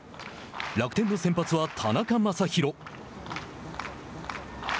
楽天の先発は田中将大。